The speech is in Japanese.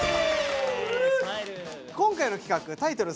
今回の企画タイトル